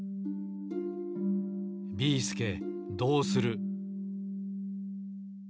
ビーすけどうする！？